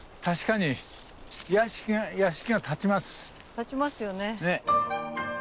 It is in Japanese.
建ちますよね。